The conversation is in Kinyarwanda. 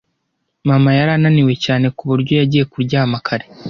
Mama yari ananiwe cyane ku buryo yagiye kuryama kare.